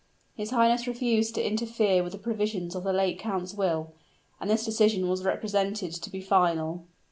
His highness refused to interfere with the provisions of the late count's will; and this decision was represented to be final.